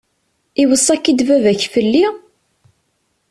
Iweṣṣa-k-id baba-k fell-i?